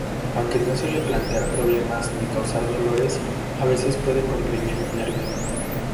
Aunque no suele plantear problemas ni causar dolores, a veces puede comprimir un nervio.